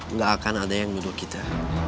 nggak akan ada yang nyuruh kita